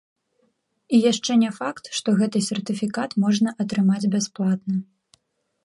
І яшчэ не факт, што гэты сертыфікат можна атрымаць бясплатна.